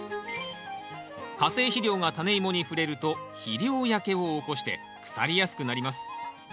化成肥料がタネイモに触れると肥料焼けを起こして腐りやすくなります。